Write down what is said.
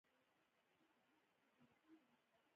د ډبرې شاوخوا دیوالونه او پراخه داخلي برخه ده.